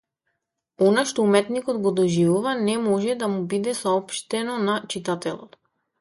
Она што уметникот го доживува, не може да му биде соопштено на читателот.